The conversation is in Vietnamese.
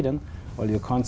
kinh nghiệm của chúng ta